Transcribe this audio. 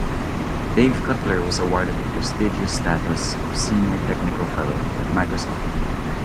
Dave Cutler was awarded the prestigious status of Senior Technical Fellow at Microsoft.